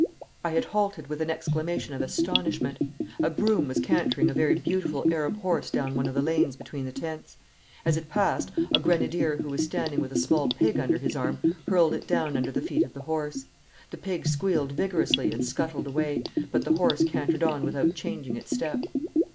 I had halted with an exclamation of astonishment. A groom was cantering a very beautiful Arab horse down one of the lanes between the tents. As it passed, a grenadier who was standing with a small pig under his arm hurled it down under the feet of the horse. The pig squealed vigorously and scuttled away, but the horse cantered on without changing its step.